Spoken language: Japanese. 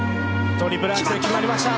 トリプルアクセル決まりました。